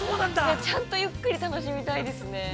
ちゃんと、ゆっくり楽しみたいですね。